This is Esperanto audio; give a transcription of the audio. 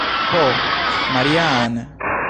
Ho Maria-Ann!